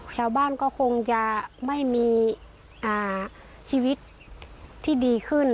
ชาวบ้านก็คงจะไม่มีชีวิตที่ดีขึ้น